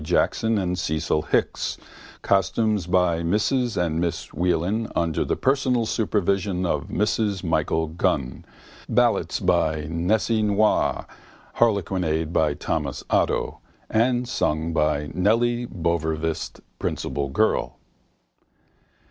Jackson and Cecil Hicks, costumes by Mrs and Miss Whelan under the personal supervision of Mrs Michael Gunn, ballets by Jessie Noir, harlequinade by Thomas Otto) and sung by Nelly Bouverist, principal girl?